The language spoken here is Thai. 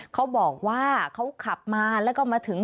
เขาบอกว่าเขาขับมาแล้วก็มาถึง